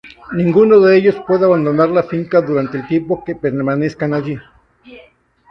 Ninguno de ellos puede abandonar la finca durante el tiempo que permanezcan allí.